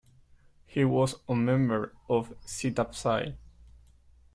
He was a member of Zeta Psi.